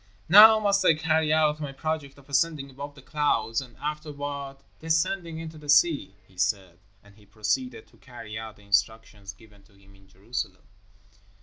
"Now must I carry out my project of ascending above the clouds and afterward descending into the sea," he said, and he proceeded to carry out the instructions given to him in Jerusalem.